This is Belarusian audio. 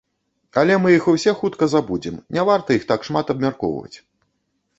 Але мы іх усе хутка забудзем, не варта іх так шмат абмяркоўваць.